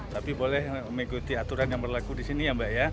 tapi boleh mengikuti aturan yang berlaku di sini ya mbak ya